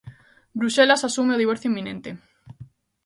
Bruxelas asume o divorcio inminente.